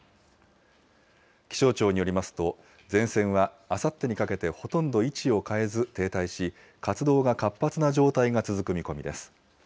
気象庁によりますと、前線はあさってにかけてほとんど位置を変えず、停滞し、活動が活発な状態が続く見込みです。